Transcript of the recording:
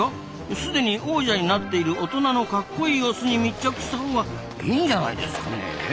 すでに王者になっている大人のかっこいいオスに密着したほうがいいんじゃないですかねえ？